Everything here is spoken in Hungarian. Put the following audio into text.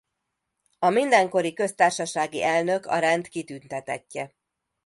A mindenkori köztársasági elnök a rend kitüntetettje.